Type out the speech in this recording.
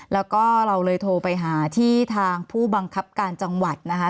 แล้วก็เราเลยโทรไปหาที่ทางผู้บังคับการจังหวัดนะคะ